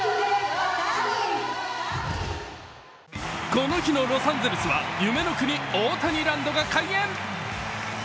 この日のロサンゼルスは夢の国・大谷ランドが開園。